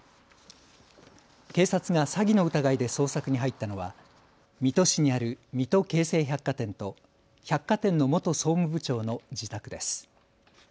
警察が詐欺の疑いで捜索に入ったのは水戸市にある水戸京成百貨店と百貨店の元総務部長の自宅です。